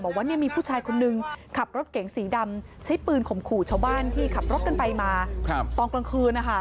บอกว่าเนี่ยมีผู้ชายคนนึงขับรถเก๋งสีดำใช้ปืนข่มขู่ชาวบ้านที่ขับรถกันไปมาตอนกลางคืนนะคะ